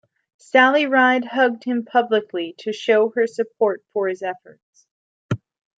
Sally Ride hugged him publicly to show her support for his efforts.